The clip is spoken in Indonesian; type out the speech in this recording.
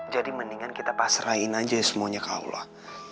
jadi mendingan kita pasraiin aja semuanya ke allah